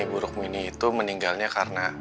buruk mini itu meninggalnya karena